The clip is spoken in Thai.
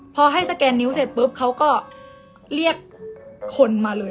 พอให้สแกนนิ้วเสร็จปุ๊บเขาก็เรียกคนมาเลย